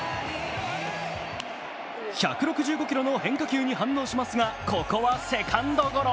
１６５キロの変化球に反応しますがここはセカンドゴロ。